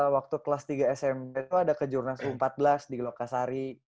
waktu kelas tiga sma tuh ada ke jurnal empat belas di glockasari